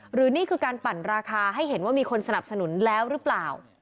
นี่คือการปั่นราคาให้เห็นว่ามีคนสนับสนุนแล้วหรือเปล่า